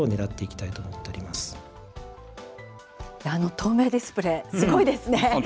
透明ディスプレー、すごいですね。